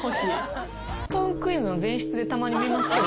『トークィーンズ』の前室でたまに見ますけど。